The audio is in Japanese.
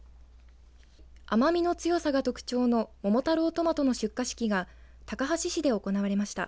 甘みの強さが特徴の桃太郎トマトの出荷式が高梁市で行われました。